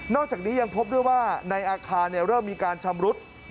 จากนี้ยังพบด้วยว่าในอาคารเริ่มมีการชำรุด